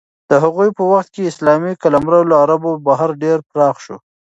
د هغوی په وخت کې اسلامي قلمرو له عربو بهر ډېر پراخ شو.